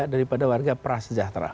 daripada warga prasejahtera